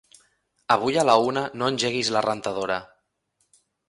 Avui a la una no engeguis la rentadora.